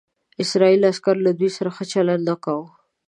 اسرائیلي عسکرو له دوی سره ښه چلند نه کاوه.